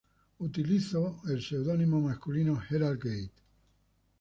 Utilizó el seudónimo masculino "Harald Gate.